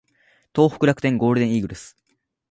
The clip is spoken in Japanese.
東北楽天ゴールデンイーグルス